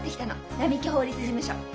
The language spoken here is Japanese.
並木法律事務所。